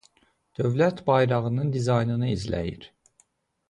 Dövlət bayrağının dizaynını izləyir.